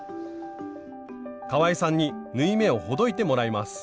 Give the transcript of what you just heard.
かわいさんに縫い目をほどいてもらいます